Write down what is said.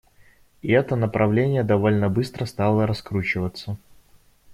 И это направление довольно быстро стало раскручиваться.